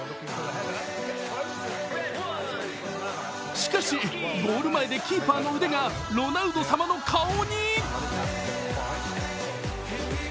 しかしゴール前でキーパーの腕がロナウド様の顔に！